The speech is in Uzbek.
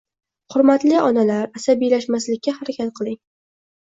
Hurmatli onalar, asabiylashmaslikka harakat qiling.